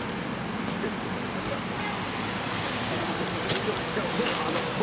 「生きてる事にありがとう」。